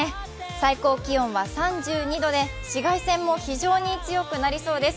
最高気温は３２度で紫外線も非常に強くなりそうです